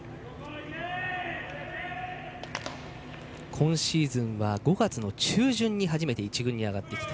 今シーズンは５月中旬に初めて一軍に上がりました。